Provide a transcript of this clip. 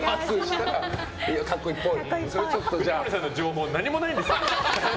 藤森さんの情報何もないんですか？